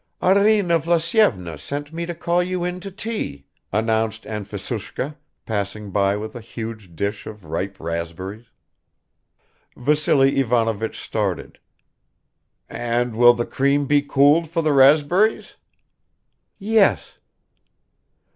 "Arina Vlasyevna sent me to call you in to tea," announced Anfisushka, passing by with a huge dish of ripe raspberries. Vassily Ivanovich started. "And will the cream be cooled for the raspberries?" "Yes."